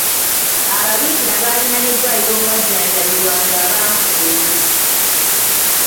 Ababiikira baalina n’eddwaliro omwajjanjabirwanga abankuseere.